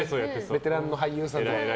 ベテランの俳優さん。